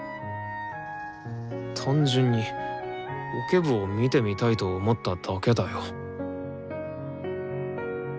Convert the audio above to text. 単純にオケ部を見てみたいと思っただけだよ。